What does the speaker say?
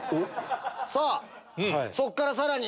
さぁそっからさらに？